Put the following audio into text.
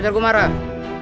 claudette yang tertentu